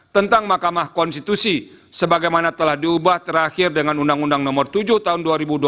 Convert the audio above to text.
tentang mahkamah konstitusi sebagaimana telah diubah terakhir dengan undang undang nomor tujuh tahun dua ribu dua puluh